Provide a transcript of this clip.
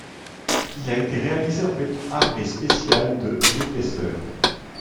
Il a été réalisé en béton armé spécial de d'épaisseur.